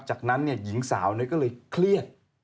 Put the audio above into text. จากนั้นหญิงสาวก็เลยเครียด